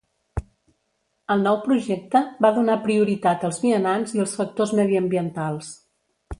El nou projecte va donar prioritat als vianants i als factors mediambientals.